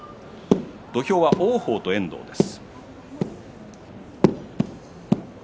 土俵は王鵬と遠藤です。